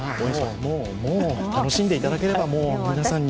もう、もう、楽しんでいただけば、もう皆さんに。